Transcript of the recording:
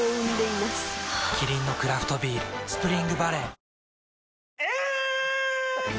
キリンのクラフトビール「スプリングバレー」